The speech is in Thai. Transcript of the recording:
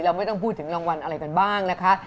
ไม่ต้องพูดถึงรางวัลอะไรกันบ้างนะคะ